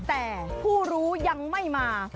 แต่ผู้รู้ยังไม่มา